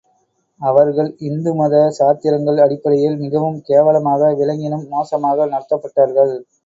அவர்கள் இந்துமத சாத்திரங்கள் அடிப்படையில் மிகவும் கேவலமாக, விலங்கினும் மோசமாக நடத்தப்பட்டார்கள்.